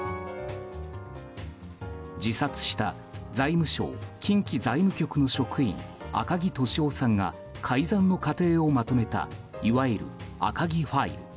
自殺した、財務省近畿財務局の職員・赤木俊夫さんが改ざんの過程をまとめたいわゆる赤木ファイル。